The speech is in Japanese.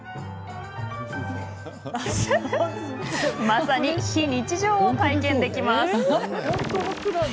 まさに、非日常を体験できます。